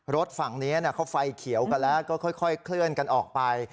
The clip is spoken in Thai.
รถฝั่งนี้เขาไฟเขียวกันแล้วก็ค่อยเคลื่อนกันออกไป